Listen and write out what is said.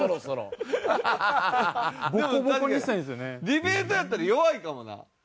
ディベートやったら弱いかもな。